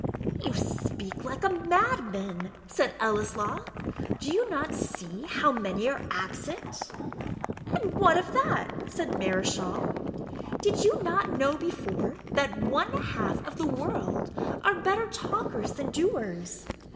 "You speak like a madman," said Ellieslaw; "do you not see how many are absent?" "And what of that?" said Mareschal. "Did you not know before, that one half of the world are better talkers than doers?